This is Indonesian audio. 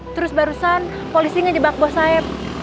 terus barusan polisi ngebak boh sayap